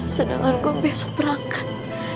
sedangkan gue besok berangkat